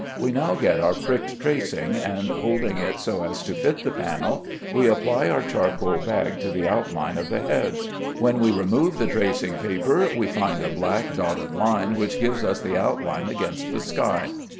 We now get our pricked tracing, and holding it so as to fit the panel, we apply our charcoal bag to the outline of the heads. When we remove the tracing paper we find a black dotted line which gives us the outline against the sky.